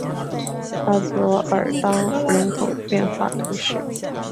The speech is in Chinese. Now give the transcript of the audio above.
巴佐尔当人口变化图示